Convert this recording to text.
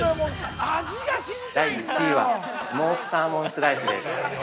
第１位はスモークサーモンスライスです。